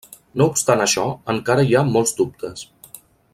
No obstant això encara hi ha molts dubtes.